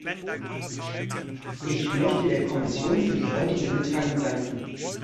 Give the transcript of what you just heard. Ich möchte der Kommission für die heutige Mitteilung danken.